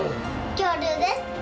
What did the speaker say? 恐竜です。